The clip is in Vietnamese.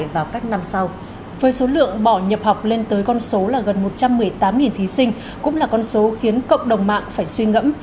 với số lượng bỏ nhập học lên tới con số là gần một trăm một mươi tám thí sinh cũng là con số khiến cộng đồng mạng phải suy ngẫm